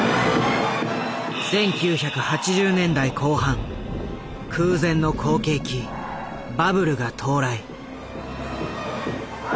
１９８０年代後半空前の好景気バブルが到来。